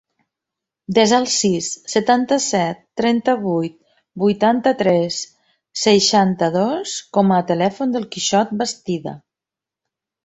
Desa el sis, setanta-set, trenta-vuit, vuitanta-tres, seixanta-dos com a telèfon del Quixot Bastida.